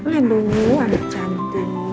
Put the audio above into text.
lihat dulu anak cantik